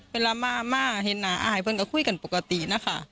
เวลามาเห็นน้าอายเพื่อนก็คุยกันปกตินะคะ